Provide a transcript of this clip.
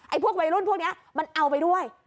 พวกวัยรุ่นพวกนี้มันเอาไปด้วย